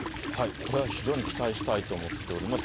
これは非常に期待したいと思っております。